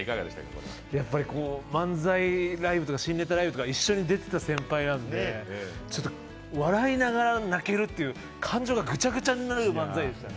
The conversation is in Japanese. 漫才ライブとか新ネタライブとか一緒に出てた先輩なんで笑いながら泣けるっていう感情がぐちゃぐちゃになる漫才でしたね。